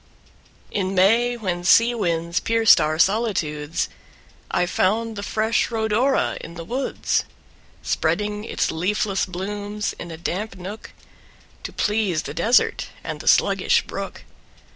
In May, when sea winds pierced our solitudes, I found the fresh Rhodora in the woods, Spreading its leafless blooms in a damp nook, To please the desert and the sluggish brook.